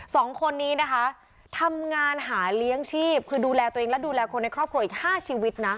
สองคนนี้นะคะทำงานหาเลี้ยงชีพคือดูแลตัวเองและดูแลคนในครอบครัวอีกห้าชีวิตนะ